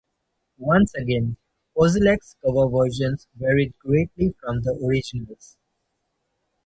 Once again, Kozelek's cover versions varied greatly from the originals.